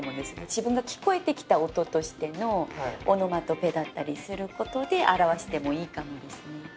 自分が聞こえてきた音としてのオノマトペだったりすることで表してもいいかもですね。